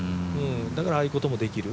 だからああいうこともできる。